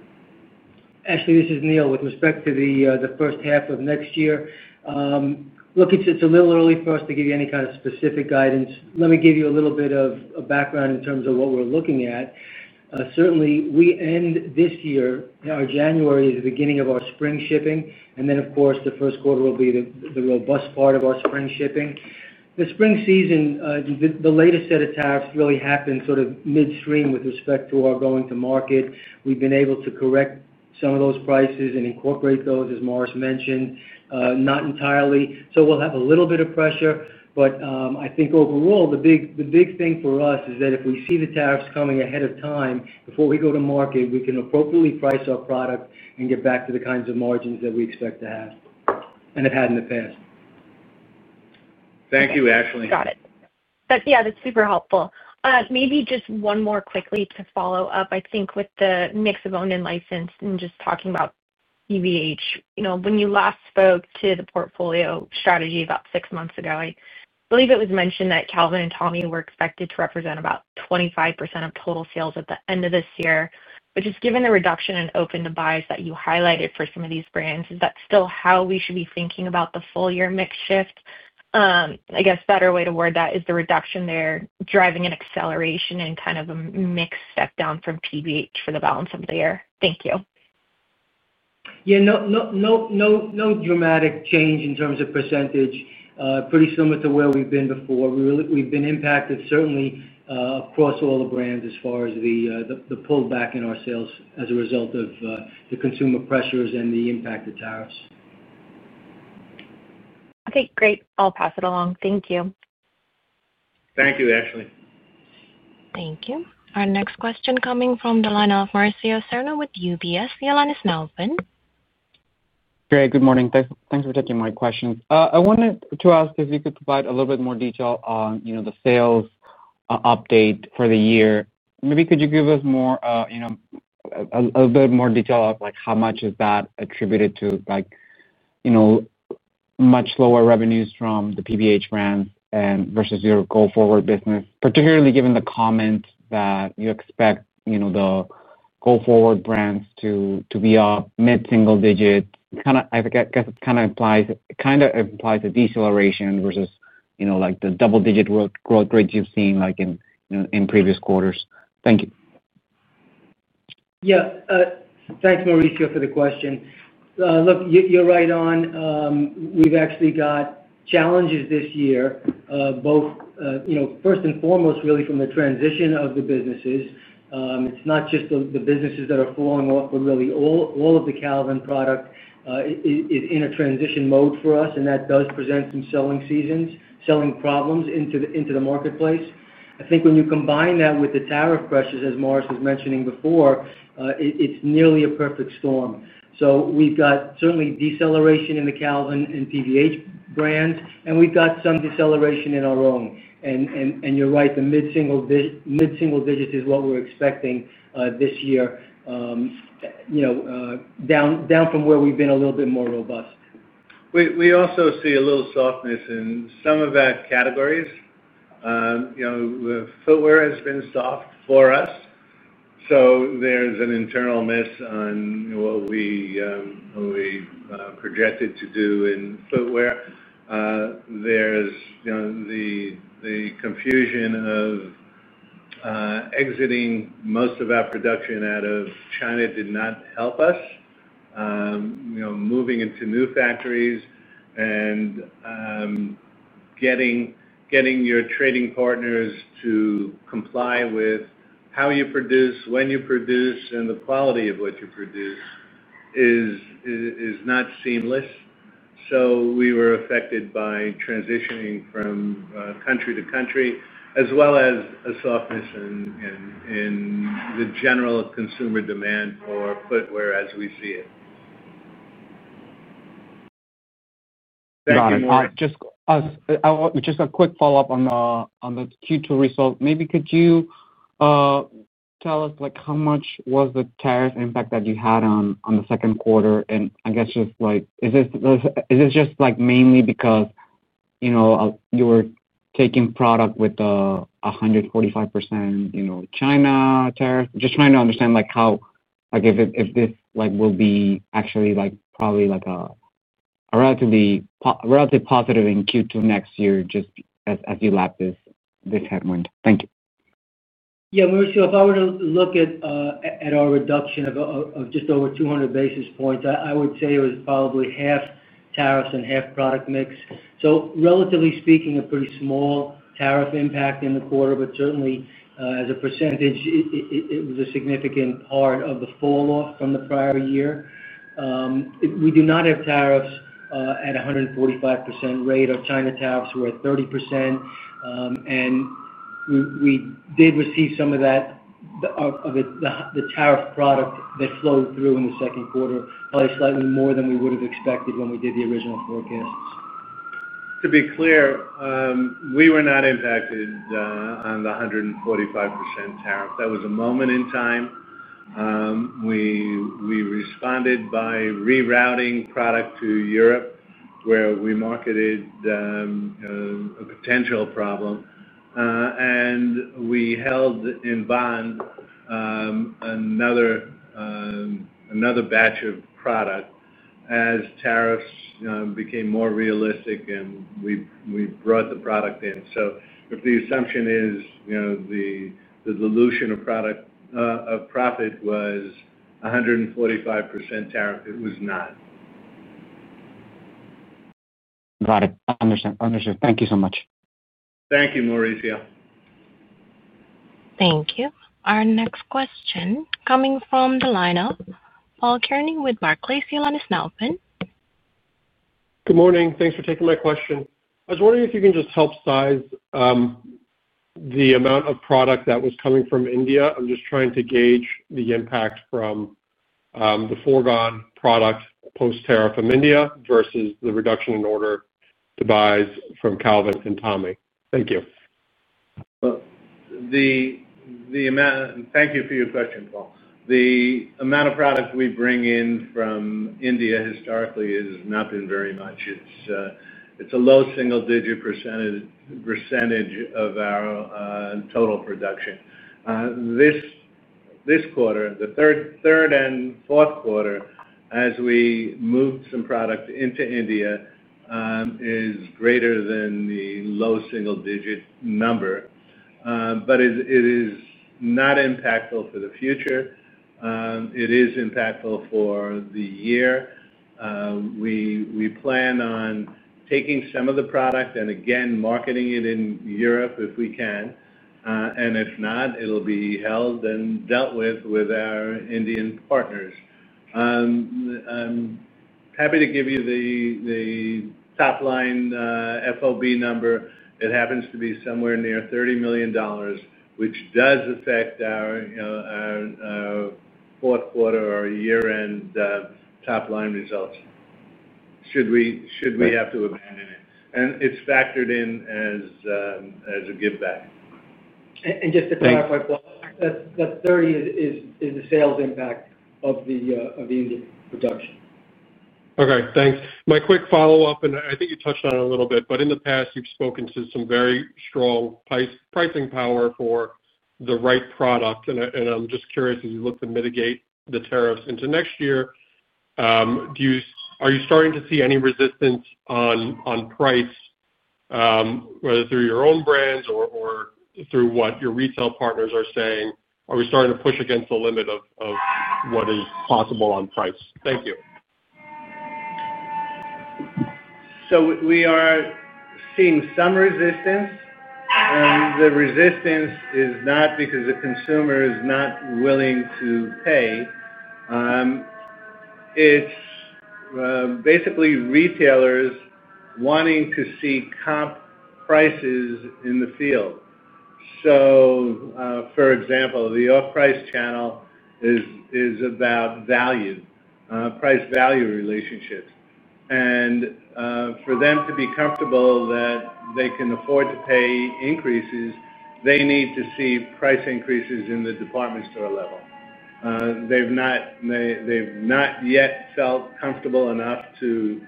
Speaker 2: Ashley, this is Neil. With respect to the first half of next year, look, it's a little early for us to give you any kind of specific guidance. Let me give you a little bit of background in terms of what we're looking at. Certainly, we end this year January is the beginning of our spring shipping. And then of course, the first quarter will be the robust part of our spring shipping. The spring season, the latest set of tariffs really happened sort of midstream with respect to our going to market. We've been able to correct some of those prices and incorporate those, as Morris mentioned, not entirely. So we'll have a little bit of pressure. But I think overall, big thing for us is that if we see the tariffs coming ahead of time before we go to market, we can appropriately price our product and get back to the kinds of margins that we expect to have and have had in the past.
Speaker 3: Thank you, Ashley. Got it.
Speaker 4: Yes, that's super helpful. Maybe just one more quickly to follow-up, I think with the mix of owned and licensed and just talking about EVH. When you last spoke to the portfolio strategy about six months ago, I believe it was mentioned that Calvin and Tommy were expected to represent about 25% of total sales at the end of this year. But just given the reduction in open to buys that you highlighted for some of these brands, is that still how we should be thinking about the full year mix shift? I guess, better way to word that is the reduction there driving an acceleration and kind of a mix step down from PBH for the balance of the year? Thank you.
Speaker 2: Yes, no dramatic change in terms of percentage, pretty similar to where we've been before. We've been impacted certainly across all the brands as far as the pullback in our sales as a result of the consumer pressures and the impact of tariffs.
Speaker 4: Okay, great. I'll pass it along. Thank you.
Speaker 3: Thank you, Ashley.
Speaker 1: Thank you. Our next question coming from the line of Marcio Serna with UBS. Your line is now open.
Speaker 5: Great. Good morning. Thanks for taking my questions. I wanted to ask if you could provide a little bit more detail on the sales update for the year. Maybe could you give us more little more detail of like how much is that attributed to like much lower revenues from the PBH brands versus your go forward business, particularly given the comment that you expect the go forward brands to be up mid single digit, kind of I guess it kind of implies a deceleration versus like the double digit growth rates you've seen like in previous quarters? Thank you.
Speaker 2: Yes. Thanks Mauricio for the question. Look, you're right on. We've actually got challenges this year both first and foremost really from the transition of the businesses. It's not just the businesses that are falling off, but really all of the Calvin product is in a transition mode for us and that does present some selling seasons, selling problems into marketplace. I think when you combine that with the tariff pressures, as Morris was mentioning before, it's nearly a perfect storm. So we've got certainly deceleration in the Cal and PVH brands and we've got some deceleration in our own. And you're right, the mid single digit is what we're expecting this year down from where we've been a little bit more robust.
Speaker 3: We also see a little softness in some of that categories. Footwear has been soft for us. So there's an internal miss on what we projected to do in footwear. There's the confusion of exiting most of our production out of China did not help us moving into new factories and getting your trading partners to comply with how you produce, when you produce and the quality of what you produce is not seamless. So we were affected by transitioning from country to country as well as a softness in the general consumer demand for footwear as we see it.
Speaker 5: Got it. Just a quick follow-up on the Q2 results. Maybe could you tell us like how much was the tariff impact that you had on the second quarter? And I guess just like is this just like mainly because you were taking product with 145% China tariff? Just trying to understand like how like if this like will be actually like probably like a relatively positive in Q2 next year just as you lap this headwind? Thank you.
Speaker 2: Yes, Marcio, if I were to look at our reduction of just over 200 basis points, I would say it was probably half tariffs and half product mix. So relatively speaking, a pretty small tariff impact in the quarter, but certainly as a percentage, was a significant part of the fall off from the prior year. We do not have tariffs at 145% rate. Our China tariffs were at 30%. And we did receive some of that of the tariff product that flowed through in the second quarter probably slightly more than we would have expected when we did the original forecast.
Speaker 3: To be clear, we were not impacted on the 145% tariff. That was a moment in time. We responded by rerouting product to Europe where we marketed a potential problem. And we held in bond another batch of product as tariffs became more realistic and we brought the product in. So if the assumption is the dilution of product of profit was 145% tariff, it was not.
Speaker 5: Got it. Understood. Thank you so much.
Speaker 3: Thank you, Maurizio.
Speaker 1: Thank you. Our next question coming from the line of Paul Kearney with Barclays. Your line is now open.
Speaker 6: Good morning. Thanks for taking my question. I was wondering if you can just help size the amount of product that was coming from India. I'm just trying to gauge the impact from the foregone product post tariff from India versus the reduction in order to buy from Calvin and Tommy? Thank you.
Speaker 3: Thank you for your question, Paul. The amount of product we bring in from India historically has not been very much. It's a low single digit percentage of our total production. This quarter, the third and fourth quarter as we move some product into India is greater than the low single digit number. But it is not impactful for the future. It is impactful for the year. We plan on taking some of the product and again marketing it in Europe if we can. And if not, it will be held and dealt with our Indian partners. I'm happy to give you the top line FOB number. It happens to be somewhere near $30,000,000 which does affect our fourth quarter or year end top line results, should we have to abandon it. And it's factored in as a giveback.
Speaker 2: Just to clarify, 30,000,000 is the sales impact of the Indian production.
Speaker 6: Okay. Thanks. My quick follow-up and I think you touched on it a little bit, but in the past you've spoken to some very strong pricing power for the right product. And I'm just curious as you look to mitigate the tariffs into next year, do you are you starting to see any resistance on price, whether through your own brands or through what your retail partners are saying? Are we starting to push against the limit of what is possible on price? Thank you.
Speaker 3: So we are seeing some resistance and the resistance is not because the consumer is not willing to pay. It's basically retailers wanting to see comp prices in the field. So, for example, the off price channel is about value, price value relationships. And for them to be comfortable that they can afford to pay increases, they need to see price increases in the department store level. They've not yet felt comfortable enough to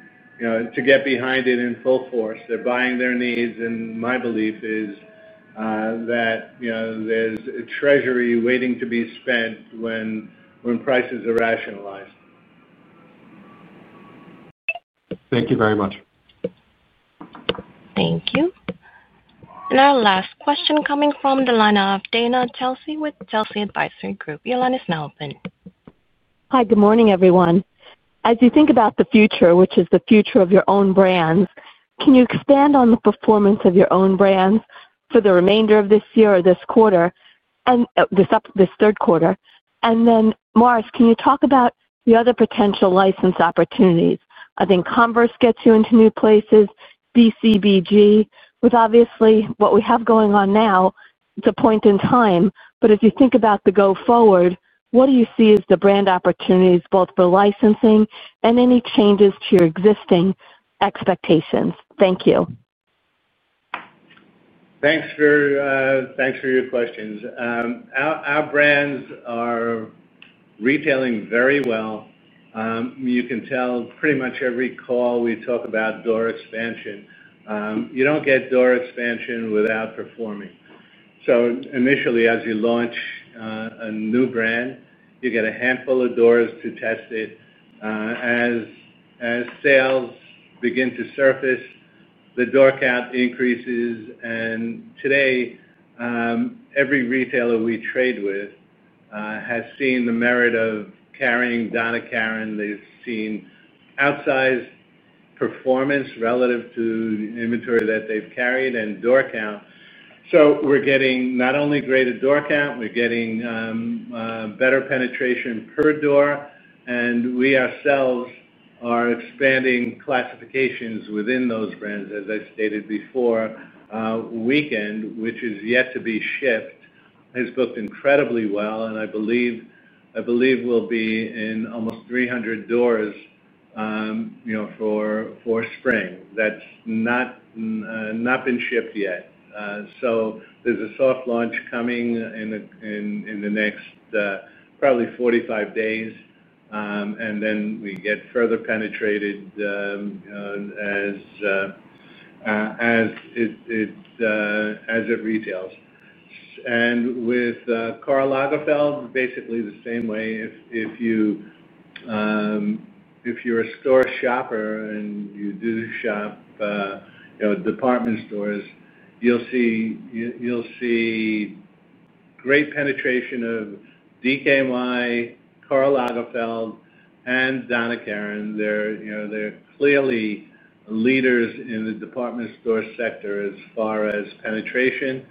Speaker 3: get behind it in full force. They're buying their needs and my belief is that there's a treasury waiting to be spent when prices are rationalized.
Speaker 6: Thank you very much.
Speaker 1: Thank you. And our last question coming from the line of Dana Telsey with Telsey Advisory Group. Your line is now open.
Speaker 7: Hi, good morning everyone. As you think about the future, which is the future of your own brands, can you expand on the performance of your own brands for the remainder of this year or this quarter and this third quarter? And then, Morris, can you talk about the other potential license opportunities? I think Converse gets you into new places, BCBG, with obviously what we have going on now, it's a point in time. But if you think about the go forward, what do you see as the brand opportunities both for licensing and any changes to your existing expectations? Thank you.
Speaker 3: Thanks for your questions. Our brands are retailing very well. You can tell pretty much every call we talk about door expansion. You don't get door expansion without performing. So initially as you launch a new brand, you get a handful of doors to test it. As sales begin to surface, the door count increases and today every retailer we trade with has seen the merit of carrying Donna Karan. They've seen outsized performance relative to inventory that they've carried and door count. So we're getting not only greater door count, we're getting better penetration per door and we ourselves are expanding classifications within those brands. As I stated before, Weekend, which is yet to be shipped has booked incredibly well and I believe we'll be in almost 300 doors for spring. That's not been shipped yet. So there's a soft launch coming in the next probably forty five days. And then we get further penetrated as it retails. And with Karl Lagerfeld, basically the same way if you're a store shopper and you do shop department stores, you'll see great penetration of DKNY, Karl Lagerfeld and Donna Karan. They're clearly leaders in the department store sector as far as penetration.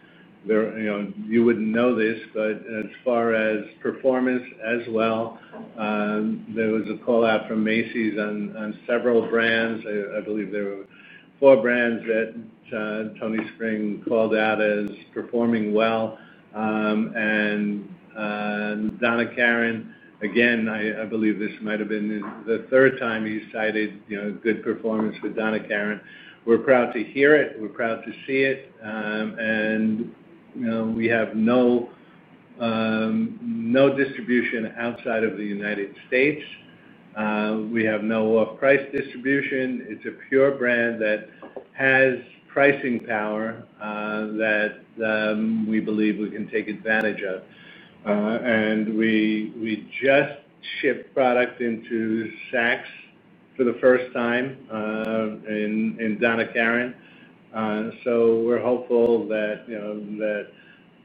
Speaker 3: There you wouldn't know this, but as far as performance as well, there was a call out from Macy's on several brands. I believe there were four brands that Tony Spring called out as performing well. And Donna Karan, again, I believe this might have been the third time you cited good performance with Donna Karan. We're proud to hear it. We're proud to see it. And we have no distribution outside of The United States. We have no price distribution. It's a pure brand that has pricing power that we believe we can take advantage of. And we just shipped product into Saks for the first time in Donna Karan. So we're hopeful that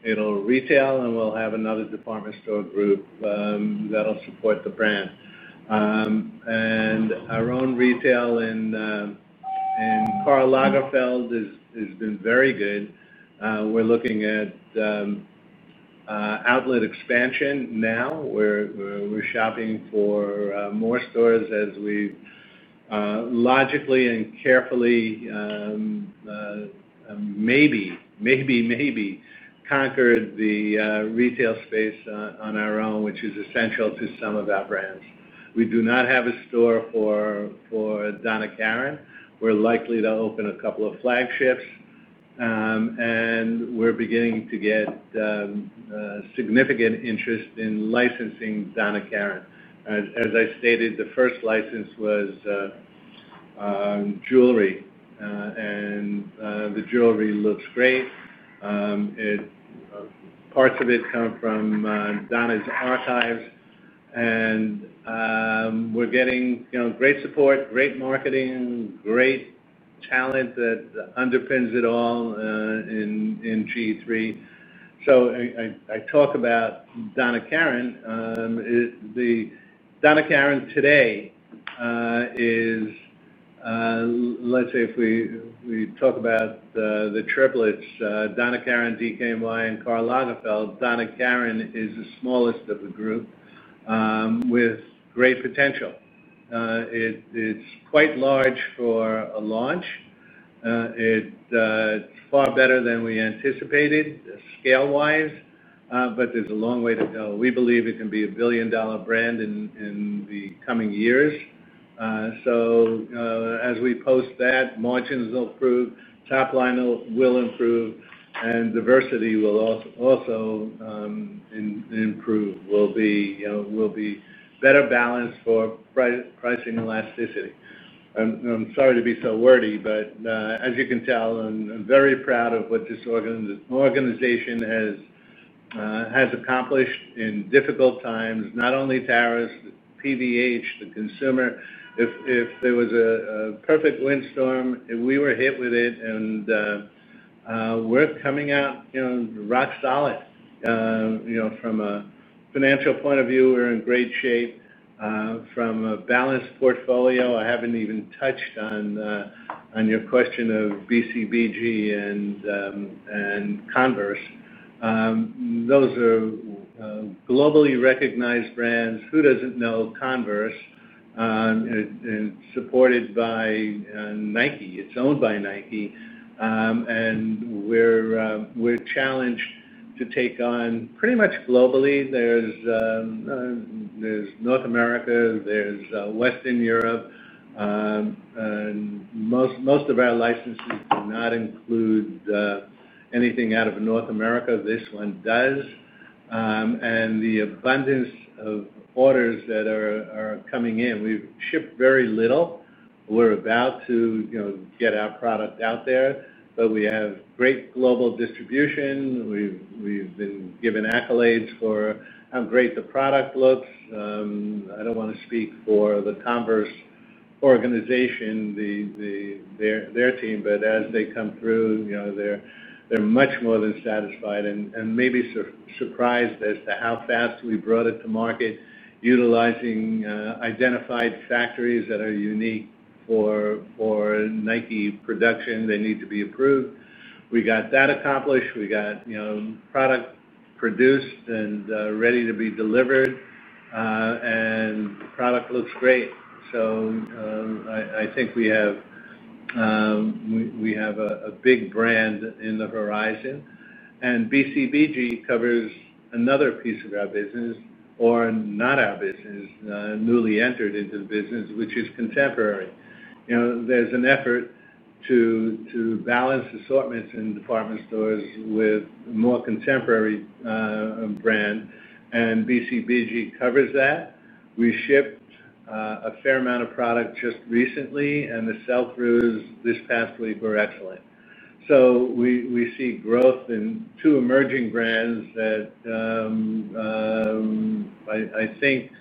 Speaker 3: it'll retail and we'll have another department store group that'll support the brand. And our own retail Karl Lagerfeld has been very good. We're looking at outlet expansion now. We're shopping for more stores as we logically and carefully maybe, maybe conquered the retail space on our own, which is essential to some of our brands. We do not have a store for Donna Karan. We're likely to open a couple of flagships, and we're beginning to get significant interest in licensing Donna Karan. As I stated, the first license was jewelry and the jewelry looks great. Parts of it come from Donna's archives and we're getting great support, great marketing, great talent that underpins it all in GE III. So I talk about Donna Karan, Donna Karan today is let's say if we talk about the triplets Donna Karan, DKNY and Karl Lagerfeld, Donna Karan is the smallest of the group with great potential. It's quite large for a launch. It's far better than we anticipated scale wise, but there's a long way to go. We believe it can be a $1,000,000,000 brand in the coming years. So as we post that margins will improve, top line will improve and diversity will also improve will be better balanced for pricing elasticity. I'm sorry to be so wordy, but as you can tell, I'm very proud of what this organization has accomplished in difficult times, not only tariffs, PVH, the consumer. If there was a perfect windstorm and we were hit with it and we're coming out rock solid. From a financial point of view, we're in great shape. From a balanced portfolio, I haven't even touched on your question of BCBG and Converse. Those are globally recognized brands, who doesn't know Converse and supported by Nike, it's owned by Nike. And we're challenged to take on pretty much globally. There's North America, there's Western Europe and most of our licenses do not include anything out of North America, this one does. And the abundance of orders that are coming in, we've shipped very little. We're about to get our product out there, but we have great global distribution. We've been given accolades for how great the product looks. I don't want to speak for the Converse organization, their team, but as they come through, they're much more than satisfied and maybe surprised as to how fast we brought it to market utilizing identified factories that are unique for NIKE production. They need to be approved. We got that accomplished. We got product produced and ready to be delivered and product looks great. So I think we have a big brand in the horizon. And BCBG covers another piece of our business or not our business, newly entered into the business, which is contemporary. There's an effort to balance assortments in department stores with more contemporary brand and BCBG covers that. We shipped a fair amount of product just recently and the sell throughs this past week were excellent. So we see growth in two emerging brands that I think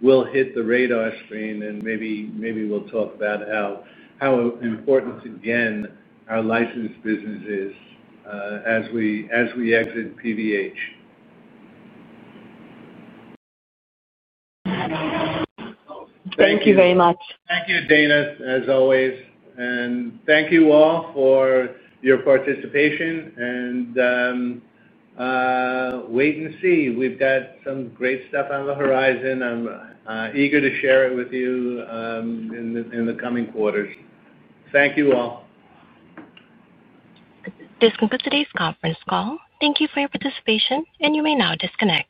Speaker 3: will hit the radar screen and maybe we'll talk about how important again our license business is as we exit PVH.
Speaker 7: Thank you very much.
Speaker 3: Thank you, Dana, as always. And thank you all for your participation and wait and see. We've got some great stuff on the horizon. Eager to share it with you in the coming quarters. Thank you all.
Speaker 1: This concludes today's conference call. Thank you for your participation and you may now disconnect.